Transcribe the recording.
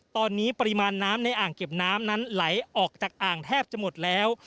ตอนนี้ปริมาณน้ำในอ่างเก็บน้ำนั้นไหลออกจากอ่างแทบจะหมดแล้ว